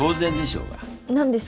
何です？